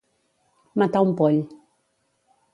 Matar un poll.